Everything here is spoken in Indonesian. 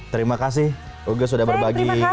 terima kasih uga sudah berbagi di good morning